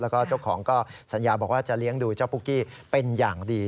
แล้วก็เจ้าของก็สัญญาบอกว่าจะเลี้ยงดูเจ้าปุ๊กกี้เป็นอย่างดี